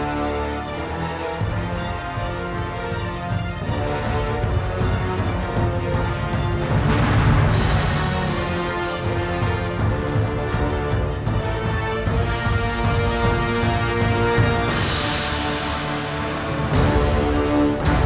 kamu ternyata gak seperti wajah kamu sita